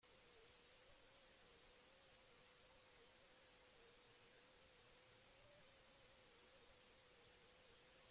Ekintza armatuek euskarari eta euskal kulturari ekartzen zizkieten zehar-kalteez.